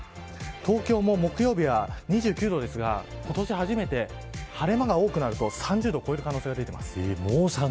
東京も木曜日は２９度ですが今年初めて晴れ間が多くなると３０度を超える可能性が出ています。